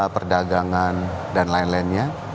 perdagangan dan lain lainnya